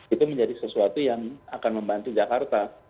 itu menjadi sesuatu yang akan membantu jakarta